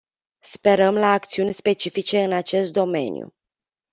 Sperăm la acțiuni specifice în acest domeniu.